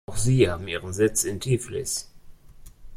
Auch sie haben ihren Sitz in Tiflis.